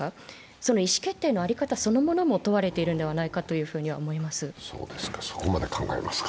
その意思決定の在り方そのものも問われているのではないかと思います。